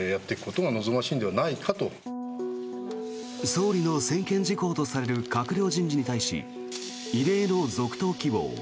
総理の専権事項とされる閣僚人事に対し異例の続投希望。